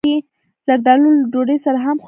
زردالو له ډوډۍ سره هم خوړل کېږي.